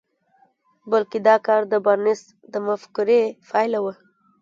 بلکې دا کار د بارنس د مفکورې پايله وه.